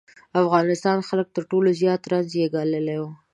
افغانستان خلک تر ټولو زیات رنځ یې ګاللی و.